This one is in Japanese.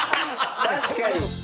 確かに！